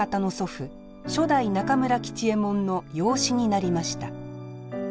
初代中村吉右衛門の養子になりました。